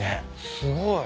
すごい。